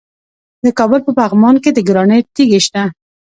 د کابل په پغمان کې د ګرانیټ تیږې شته.